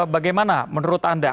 bagaimana menurut anda